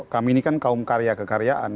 kami ini kan kaum karya kekaryaan